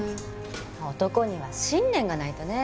男には信念がないとね。